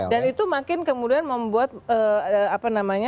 dan itu makin kemudian membuat posisi pendukung keduanya